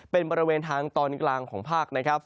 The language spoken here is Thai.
เป็นบริเวณทางตอนกลางของภาคนะครับ